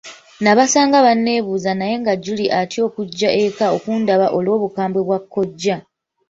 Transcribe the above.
Nabasanga banneebuuza naye nga Julie atya okujja eka okundaba olw'obukambwe bwa kkojja.